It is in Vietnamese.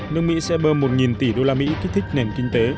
nước mỹ sẽ bơm một tỷ usd kích thích nền kinh tế